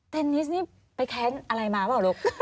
นิสนี่ไปแค้นอะไรมาเปล่าลูก